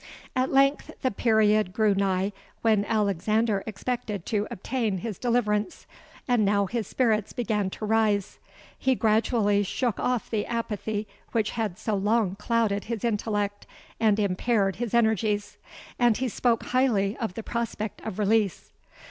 "At length the period drew nigh when Alexander expected to obtain his deliverance; and now his spirits began to rise. He gradually shook off the apathy which had so long clouded his intellect and impaired his energies; and he spoke highly of the prospect of release.